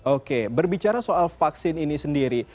oke berbicara soal vaksin ini sendiri